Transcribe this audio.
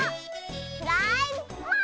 フライパーン！